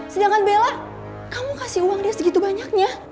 sedangkan bella kamu kasih uang dia segitu banyaknya